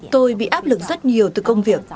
tôi bị áp lực rất nhiều từ công việc